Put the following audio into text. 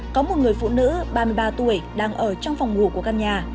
có một người phụ nữ ba mươi ba tuổi đang ở trong phòng ngủ của căn nhà